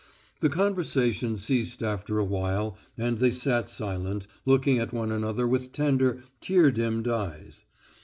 The conversation ceased after a while, and they sat silent, looking at one another with tender, tear dimmed eyes.